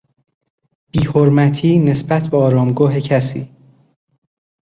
بیحرمتی نسبت به آرامگاه کسی